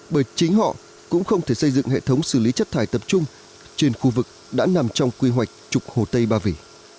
bởi chính họ cũng không thể xây dựng hệ thống xử lý chất thải tập trung trên khu vực đã nằm trong quy hoạch trục hồ tây ba vì